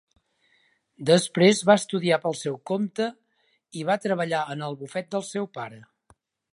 Després va estudiar pel seu compte i va treballar en el bufet del seu pare.